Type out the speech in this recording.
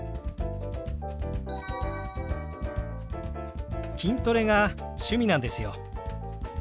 筋トレが趣味なんですよ。